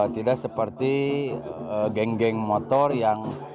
tidak seperti geng geng motor yang